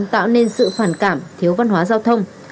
tạo nên sự phản cảm thiếu văn hóa giao thông